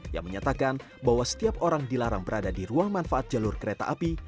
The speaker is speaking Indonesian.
yang menyatakan bahwa setiap orang dilarang berada di ruang manfaat jalur kereta api